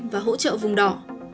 và hỗ trợ vùng đỏ